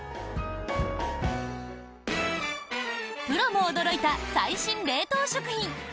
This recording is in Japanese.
プロも驚いた最新冷凍食品。